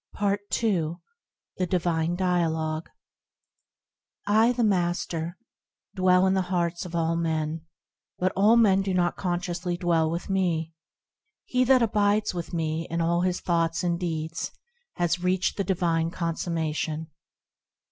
Part II: The Divine Dialogue I, the Master, Dwell in the hearts of all men, but all men do not consciously dwell with me: He that abides with me in all his thoughts and deeds, has reached the Divine Consummation.